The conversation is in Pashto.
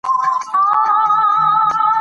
شاه محمود د خپلو عسکرو لپاره د محاصرې پلان جوړ کړ.